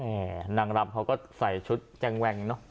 นางรำเขาก็ใส่ชุดแจงแว่งเนอะ